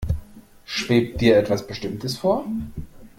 Schwebt dir etwas Bestimmtes vor?